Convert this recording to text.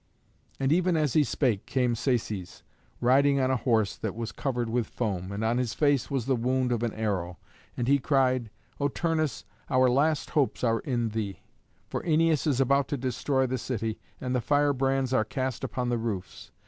And even as he spake came Saces, riding on a horse that was covered with foam, and on his face was the wound of an arrow. And he cried, "O Turnus, our last hopes are in thee. For Æneas is about to destroy the city, and the firebrands are cast upon the roofs.